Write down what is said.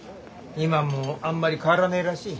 今もあんまり変わらねえらしい。